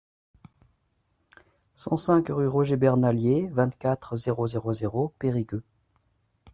cent cinq rue Roger Barnalier, vingt-quatre, zéro zéro zéro, Périgueux